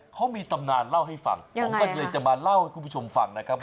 เขามีตำนานเล่าให้ฟังผมก็เลยจะมาเล่าให้คุณผู้ชมฟังนะครับ